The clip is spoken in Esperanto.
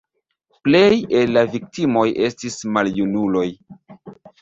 Plej el la viktimoj estis maljunuloj.